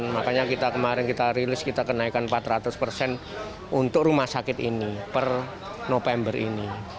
makanya kita kemarin kita rilis kita kenaikan empat ratus persen untuk rumah sakit ini per november ini